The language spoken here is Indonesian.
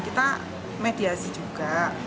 kita mediasi juga